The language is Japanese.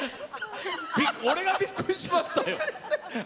俺がびっくりしましたよ！